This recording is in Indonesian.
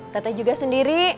teteh juga sendiri